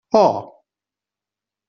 Oh!